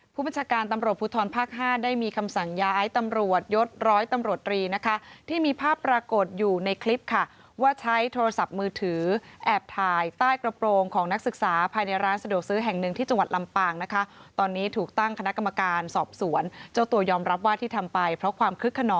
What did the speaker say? ผู้บัญชาการตำรวจภูทรภาคห้าได้มีคำสั่งย้ายตำรวจยศร้อยตำรวจรีนะคะที่มีภาพปรากฏอยู่ในคลิปค่ะว่าใช้โทรศัพท์มือถือแอบถ่ายใต้กระโปรงของนักศึกษาภายในร้านสะดวกซื้อแห่งหนึ่งที่จังหวัดลำปางนะคะตอนนี้ถูกตั้งคณะกรรมการสอบสวนเจ้าตัวยอมรับว่าที่ทำไปเพราะความคึกขนอ